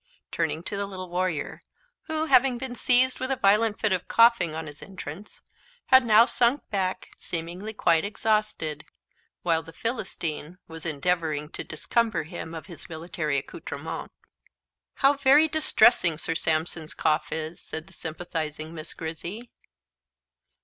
turning to the little warrior, who, having been seized with a violent fit of coughing on his entrance, had now sunk back, seemingly quite exhausted, while the Philistine was endeavouring to disencumber him of his military accoutrements. "How very distressing Sir Sampson's cough is!" said the sympathising Miss Grizzy.